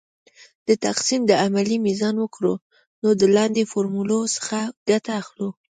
د تقسیم د عملیې میزان وکړو نو د لاندې فورمول څخه ګټه اخلو .